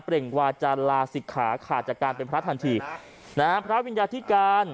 ่งวาจานลาศิกขาขาดจากการเป็นพระทันทีนะฮะพระวิญญาธิการ